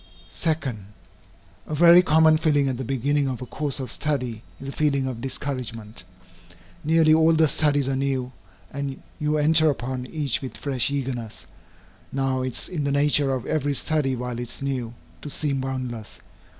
2. A very common feeling at the beginning of a course of study, is a feeling of discouragement. Nearly all the studies are new, and you enter upon each with fresh eagerness. Now, it is in the nature of every study while it is new, to seem boundless.